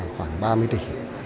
khoảng ba mươi tỷ đồng